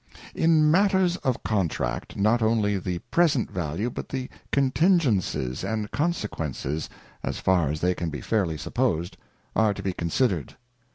In matters of Contract not only the present value, but the contingences and consequences, as far as they can be fairly supposed, are to be considered.